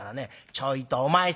「ちょいとお前さん。